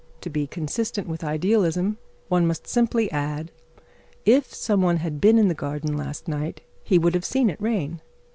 To be consistent with idealism, one must simply add: "If some one had been in the garden last night, he would have seen it rain."